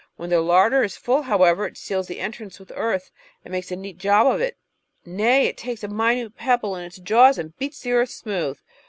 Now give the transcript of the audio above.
When the larder is full, however, it seals the entrance with earth and makes a neat job of it; nay, it takes a minute pebble in its jaws and beats the earth smooth.